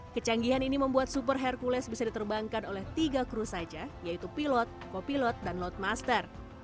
kecanggihan ini membuat super hercules bisa diterbangkan oleh tiga kru saja yaitu pilot kopilot dan loadmaster